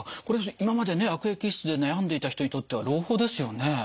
これ今までね悪液質で悩んでいた人にとっては朗報ですよね。